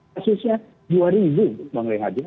kasusnya dua ribu bang rehat ya